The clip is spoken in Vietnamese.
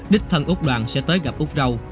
đích thân úc đoàn sẽ tới gặp úc râu